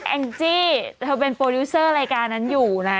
แองจี้เธอเป็นโปรดิวเซอร์รายการนั้นอยู่นะ